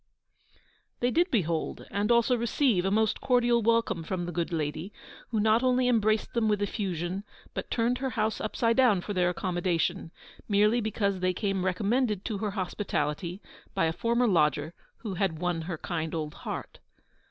They did behold and also receive a most cordial welcome from the good lady, who not only embraced them with effusion, but turned her house upside down for their accommodation, merely because they came recommended to her hospitality by a former lodger who had won her kind old heart.